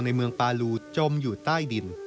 ในเมืองปาลูจมอยู่ใต้ดิน